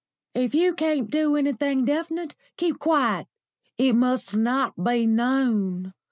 If you can't do anything definite, keep quiet. It must not be known.